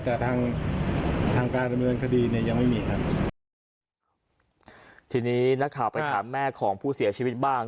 แต่ทางทางการดำเนินคดีเนี่ยยังไม่มีครับทีนี้นักข่าวไปถามแม่ของผู้เสียชีวิตบ้าง